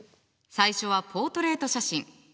最初はポートレート写真。